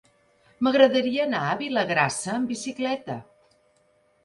M'agradaria anar a Vilagrassa amb bicicleta.